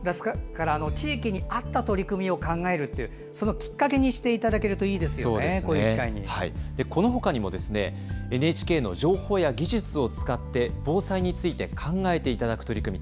地域に合った取り組みを考えるきっかけにしていただけるとこのほかにもＮＨＫの情報や技術を使って防災について考えていただく取り組み